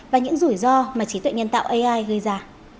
và những rủi ro mà trí tuệ nhân tạo ai gây ra